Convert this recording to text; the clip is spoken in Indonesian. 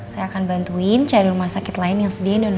saya akan bantuin cari rumah sakit lain yang sedia di donor mata